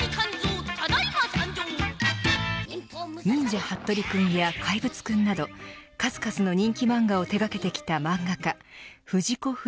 忍者ハットリくんや怪物くんなど数々の人気漫画を手掛けてきた漫画家藤子